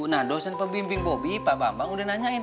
nah dosen pembimbing bobi pak bambang udah nanyain